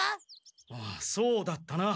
ああそうだったな。